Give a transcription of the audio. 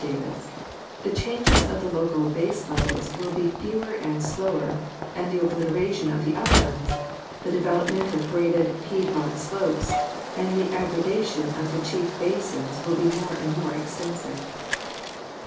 Davis, "the changes of local base levels will be fewer and slower, and the obliteration of the uplands, the development of graded piedmont slopes and the aggradation of the chief basins will be more £nd more extensive."